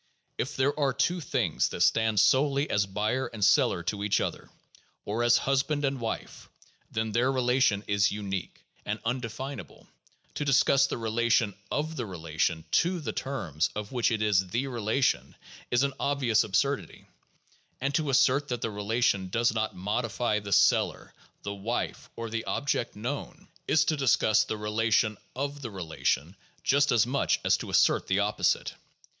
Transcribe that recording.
If there are two things that stand solely as buyer and seller to each other, or as husband and wife, then that relation is "unique," and undefinable; to discuss the relation of the relation to the terms of which it is the relation, is an obvious absurdity; and to assert that the relation does not modify the "seller," the "wife," or the "object known," is to discuss the PSYCHOLOGY AND SCIENTIFIC METHODS 551 relation of the relation just as much as to assert the opposite.